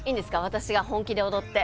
私が本気で踊って。